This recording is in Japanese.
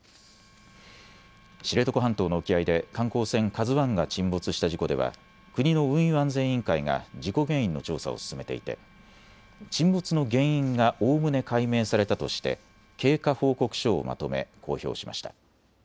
知床半島の沖合で観光船、ＫＡＺＵＩが沈没した事故では国の運輸安全委員会が事故原因の調査を進めていて沈没の原因がおおむね解明されたとして経過報告書をまとめ公表しました。